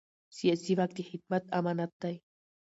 سیاسي واک د خدمت امانت دی